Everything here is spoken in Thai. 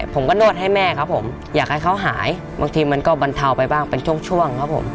ผมก็นวดให้แม่ครับผมอยากให้เขาหายบางทีมันก็บรรเทาไปบ้างเป็นช่วงครับผม